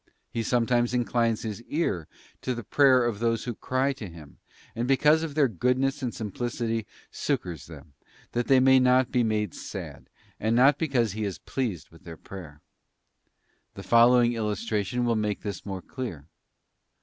He sometimes inclines His ear to the prayer of those who cry to Him, and because of their goodness and simplicity succours them, that they may not be made sad, and not because He is pleased with their prayer. The following illustration will make this more clear.